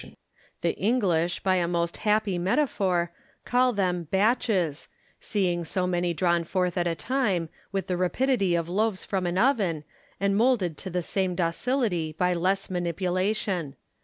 The English, by a most happy metaphor, call them hatches, seeing so many drawn forth at a time, with the rapidity of loaves from an oven, and moulded to the same ductility by less manipulation.